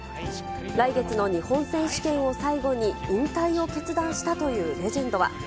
来月の日本選手権を最後に引退を決断したというレジェンドは。